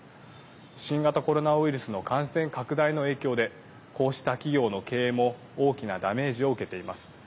新型コロナウイルスの感染拡大の影響でこうした企業の経営も大きなダメージを受けています。